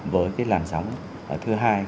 với cái làn sóng thứ hai